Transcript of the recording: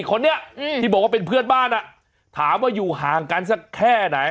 คนนี้ที่บอกว่าเป็นเพื่อนบ้านอ่ะถามว่าอยู่ห่างกันสักแค่ไหน